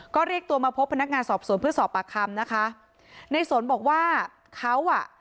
ก็เรียกตัวมาพบพนักงานสอบสวนเพื่อสอบปากคำนะคะในสนบอกว่าเขาอ่ะ